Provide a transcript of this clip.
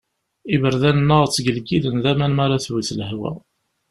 Iberdan-nneɣ ttgelgilen d aman m'ara twet lehwa.